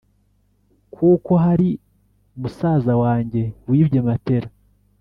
kuko hari musaza wange wibye matela